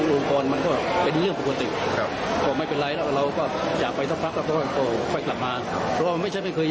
อืม